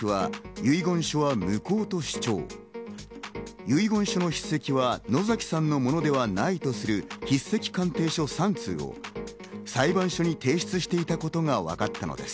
遺言書の筆跡は野崎さんのものではないとする筆跡鑑定書３通を裁判所に提出していたことがわかったのです。